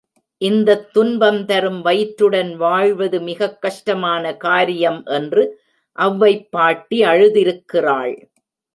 இந்தத் துன்பம்தரும் வயிற்றுடன் வாழ்வதுமிகக் கஷ்டமான காரியம் என்று அவ்வை பாட்டி அழுதிருக்கிறாள்.